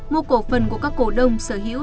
mua cổ phần của các cổ đông sở hữu